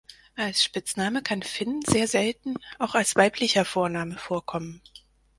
Als Spitzname kann Finn sehr selten auch als weiblicher Vorname vorkommen.